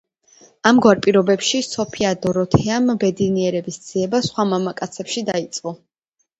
ამგვარ პირობებში სოფია დოროთეამ ბედნიერების ძიება სხვა მამაკაცებში დაიწყო.